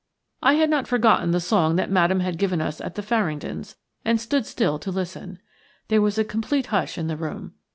I had not forgotten the song that Madame had given us at the Farringdons', and stood still to listen. There was a complete hush in the room.